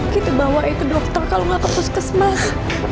kita bawa ke dokter kalau gak terus kesempat